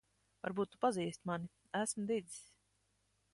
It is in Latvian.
Varbūt tu pazīsti mani. Esmu Didzis.